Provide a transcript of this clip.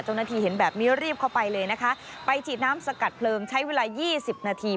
เจ้าหน้าที่เห็นแบบนี้รีบเข้าไปเลยนะคะไปฉีดน้ำสกัดเพลิงใช้เวลายี่สิบนาที